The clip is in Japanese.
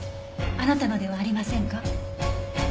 あなたのではありませんか？